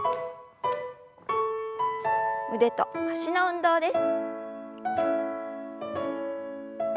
腕と脚の運動です。